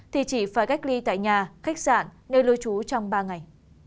thì chỉ phải cách ly tại nhà khách sạn nơi lưu trú trong ba ngày